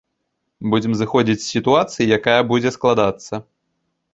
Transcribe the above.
Будзем зыходзіць з сітуацыі, якая будзе складацца.